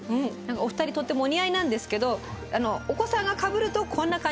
お二人とってもお似合いなんですけどお子さんがかぶるとこんな感じです。